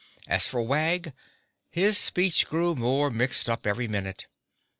As for Wag, his speech grew more mixed up every minute.